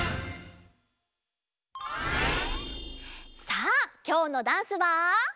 さあきょうのダンスは。